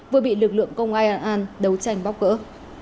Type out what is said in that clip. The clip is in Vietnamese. vừa bị lực lượng công an đấu tranh bóc cỡ